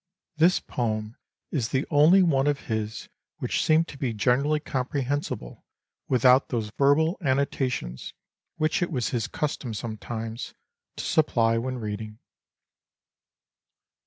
This poem is the only one of his which seemed to be generally comprehensible without those verbal annota tions which it was his custom sometimes to supply when reading.